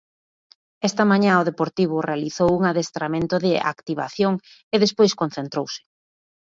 Esta mañá o Deportivo realizou un adestramento de activación e despois concentrouse.